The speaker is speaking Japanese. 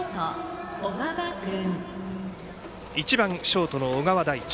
１番、ショートの小川大地。